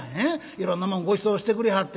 いろんなもんごちそうしてくれはって。